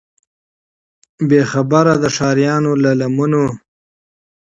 بې خبره د ښاریانو له دامونو